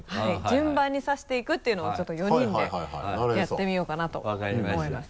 順番に指していくっていうのをちょっと４人でやってみようかなと思います。